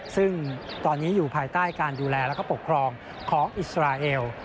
ซึ่งตอนนี้อยู่ภายใต้การดูแลและปกครองของอิสราเอล